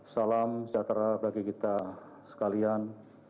salam sejahtera bagi kita sekalian